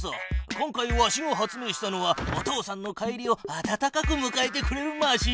今回わしが発明したのはお父さんの帰りを温かくむかえてくれるマシーン。